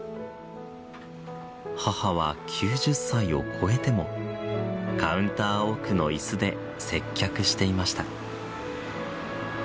母は９０歳を超えてもカウンター奥の椅子で接客していました。